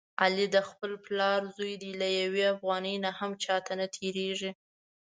علي د خپل پلار زوی دی، له یوې افغانۍ نه هم چاته نه تېرېږي.